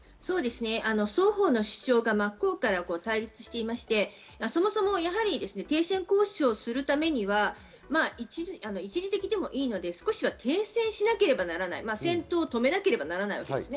双方の主張が真っ向から対立していまして、やはり停戦交渉をするためには一時的でもいいので少しは停戦しなければならない、戦闘を止めなければならないわけです。